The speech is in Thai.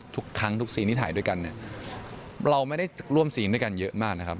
ทุกครั้งทุกซีนที่ถ่ายด้วยกันเนี่ยเราไม่ได้ร่วมซีนด้วยกันเยอะมากนะครับ